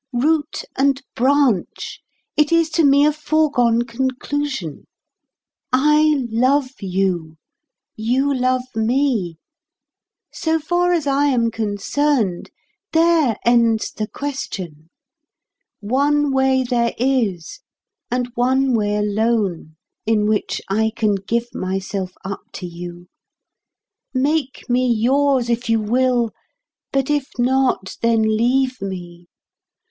Root and branch, it is to me a foregone conclusion. I love you. You love me. So far as I am concerned, there ends the question. One way there is, and one way alone, in which I can give myself up to you. Make me yours if you will; but if not, then leave me.